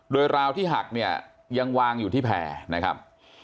โดยราวที่หักเนี่ยยังวางอยู่ที่แผ่นะครับ